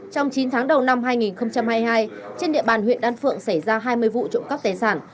trong chín tháng đầu năm hai nghìn hai mươi hai trên địa bàn huyện đan phượng xảy ra hai mươi vụ trộm cắp tài sản